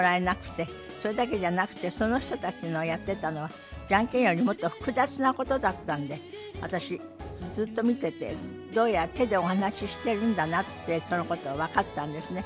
それだけじゃなくてその人たちのやってたのはジャンケンよりもっと複雑なことだったんで私ずっと見ててどうやら手でお話ししてるんだなってそのことが分かったんですね。